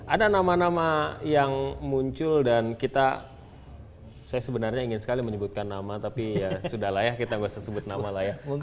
ada nama nama yang muncul dan kita saya sebenarnya ingin sekali menyebutkan nama tapi ya sudah lah ya kita nggak usah sebut nama lah ya